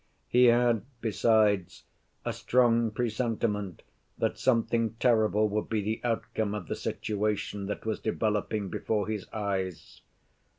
"He had, besides, a strong presentiment that something terrible would be the outcome of the situation that was developing before his eyes.